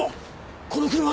この車！